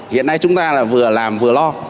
hiện nay chúng ta là vừa làm vừa lo